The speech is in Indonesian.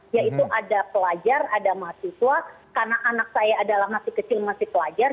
yaitu ada pelajar ada mahasiswa karena anak saya adalah masih kecil masih pelajar